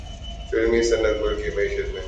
فلمی صنعت ملک کی معیشت میں حصہ ڈالتی ہے۔